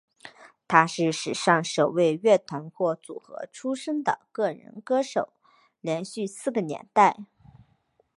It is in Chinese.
也是史上首位乐团或组合出身的个人歌手连续四个年代。